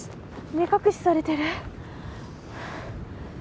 目隠しされてる。